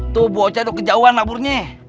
tuh bocah tuh kejauhan naburnya